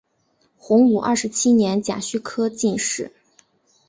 洪武二十七年甲戌科进士。